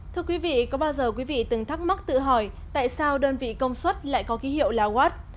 thưa quý vị có bao giờ quý vị từng thắc mắc tự hỏi tại sao đơn vị công suất lại có ký hiệu là wat